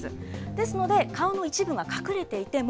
ですので、顔の一部が隠れていても、